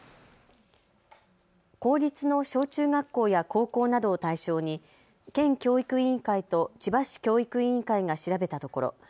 公立の小中学校や高校などを対象に県教育委員会と千葉市教育委員会が調べたところ